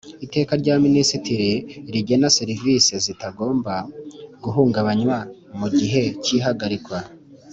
Iteka rya Minisitiri rigena serivisi zitagomba guhungabanywa mu gihe cy ihagarikwa